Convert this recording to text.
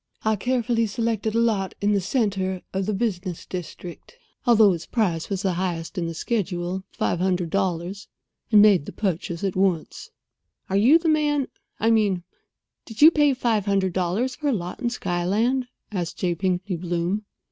I carefully selected a lot in the centre of the business district, although its price was the highest in the schedule—five hundred dollars—and made the purchase at once." "Are you the man—I mean, did you pay five hundred dollars for a lot in Skyland" asked J. Pinkney Bloom.